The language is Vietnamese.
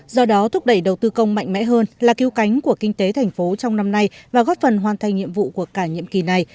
do đó thúc đẩy đầu tư công mạnh mẽ hơn là cứu cánh của kinh tế thành phố trong năm nay và góp phần hoàn thành nhiệm vụ của cả nhiệm kỳ này